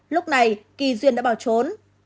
lúc này kỳ duyên đã bảo trốn